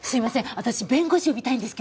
私弁護士呼びたいんですけど。